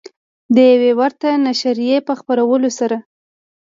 د یوې ورته نشریې په خپرولو سره